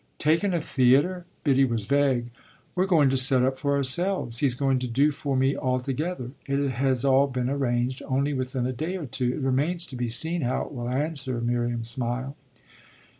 "Taken a theatre?" Biddy was vague. "We're going to set up for ourselves. He's going to do for me altogether. It has all been arranged only within a day or two. It remains to be seen how it will answer," Miriam smiled.